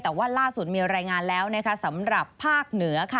แต่ว่าล่าสุดมีรายงานแล้วสำหรับภาคเหนือค่ะ